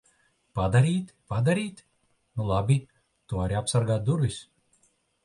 Padarīt? Padarīt? Nu labi. Tu vari apsargāt durvis.